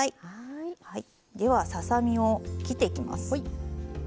ではささ身を切っていきます。